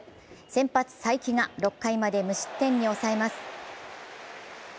先発・才木が６回まで無失点に抑えます。